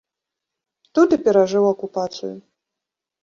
Тут і перажыў акупацыю.